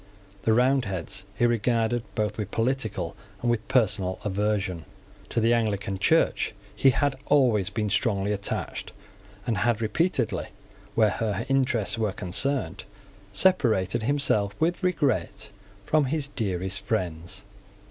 The Roundheads he regarded both with political and with personal aversion. To the Anglican Church he had always been strongly attached, and had repeatedly, where her interests were concerned, separated himself with regret from his dearest friends.